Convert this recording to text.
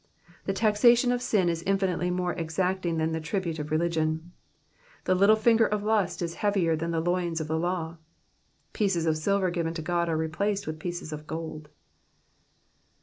The taxation of sin is infinitely more exacting than the tribute of religion. The little finger of lust is heavier than the loins of the law. Pieces of silver given to God are replaced with pieces of gold.